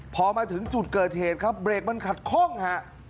พอมาถึงจุดเกิดเหตุครับเบรกมันขัดคล่องฮะ